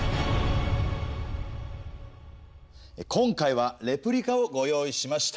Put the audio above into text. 今回はレプリカをご用意しました。